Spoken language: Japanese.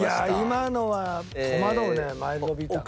今のは戸惑うねマイルドビター。